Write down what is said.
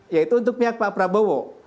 yaitu untuk pihak pak prabowo